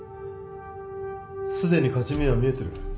すでに勝ち目は見えてる。